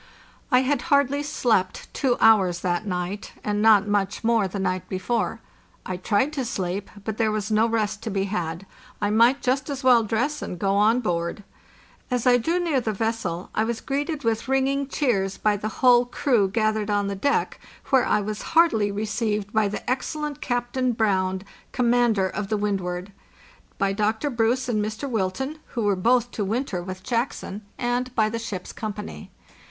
I had hardly slept two hours that night, and not much more the night before. I tried to sleep, but there was no rest to be had; I might just as well dress and go on board. As I drew near the vessel I was greeted with ringing cheers by the whole crew gathered on the deck, where I was heartily received by the excellent Captain Brown, commander of the //2xzdward ; by Dr. Bruce and Mr. Wilton, who were both to winter with Jackson, 574 FARTHEST NORTH and by the ship's company.